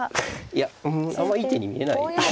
いやうんあんまいい手に見えない。